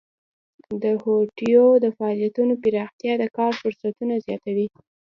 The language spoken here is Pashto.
د هټیو د فعالیتونو پراختیا د کار فرصتونه زیاتوي.